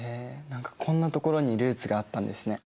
何かこんなところにルーツがあったんですね。